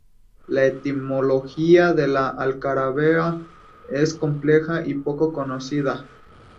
La etimología de la alcaravea es compleja y poco conocida.